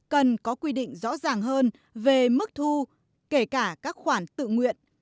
cần có quy định rõ ràng hơn về mức thu kể cả các khoản tự nguyện